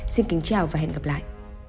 xin kính chào và hẹn gặp lại